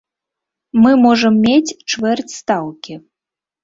Мы можам мець чвэрць стаўкі.